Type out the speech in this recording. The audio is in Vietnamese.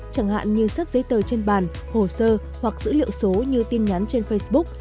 chẳng hạn như sắp giấy tờ trên bàn hồ sơ hoặc dữ liệu số như tin nhắn trên facebook